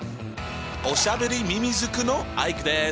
おしゃべりみみずくのアイクです！